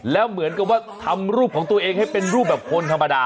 แล้วเหมือนกับว่าทำรูปของตัวเองให้เป็นรูปแบบคนธรรมดา